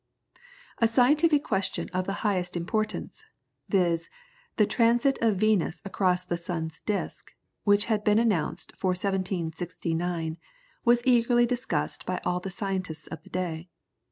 A scientific question of the highest importance, viz., the transit of Venus across the sun's disc, which had been announced for 1769, was eagerly discussed by all the scientists of the day.